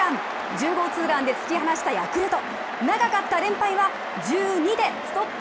１０号ツーランで突き放したヤクルト。